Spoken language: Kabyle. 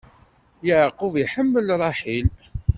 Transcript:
Yeɛqub iḥemmel Ṛaḥil.